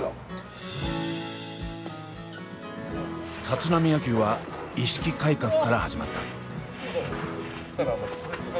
立浪野球は意識改革から始まった。